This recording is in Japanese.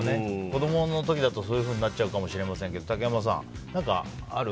子供の時だとそういうふうになっちゃうかもしれませんけど竹山さん何かある？